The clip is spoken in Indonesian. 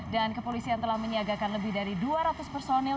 dan kepolisian telah menyiagakan lebih dari dua ratus personil